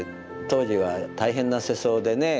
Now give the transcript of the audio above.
当時は大変な世相でね。